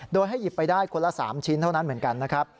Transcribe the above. โดยให้หยิบไปได้คนละ๓ชิ้นเท่านั้นเหมือนกันนะครับ